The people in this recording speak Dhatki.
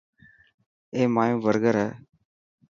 اي مايو برگر هي.